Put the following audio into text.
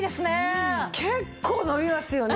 結構伸びますよね。